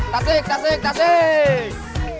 tasik tasik tasik